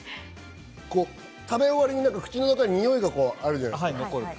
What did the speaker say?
食べ終わりに口の中ににおいがあるじゃないですか。